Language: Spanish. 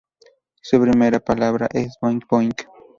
Su primera "palabra" es "boing boing".